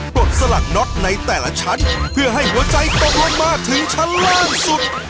กดสลักน็อตในแต่ละชั้นเพื่อให้หัวใจก็มาถึงฉลาดสุด